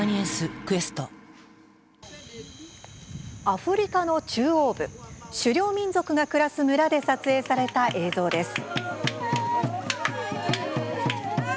アフリカの中央部狩猟民族が暮らす村で撮影された映像です。